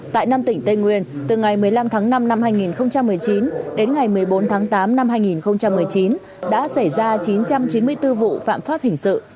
tại năm tỉnh tây nguyên từ ngày một mươi năm tháng năm năm hai nghìn một mươi chín đến ngày một mươi bốn tháng tám năm hai nghìn một mươi chín đã xảy ra chín trăm chín mươi bốn vụ phạm pháp hình sự